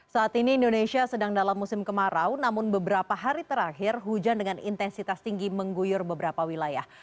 saat ini indonesia sedang dalam musim kemarau namun beberapa hari terakhir hujan dengan intensitas tinggi mengguyur beberapa wilayah